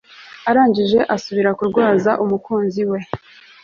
arangije asubira kurwaza umukunzi we